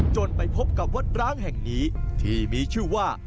ไปพบกับวัดร้างแห่งนี้ที่มีชื่อว่า